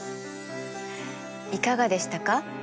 いかがでしたか？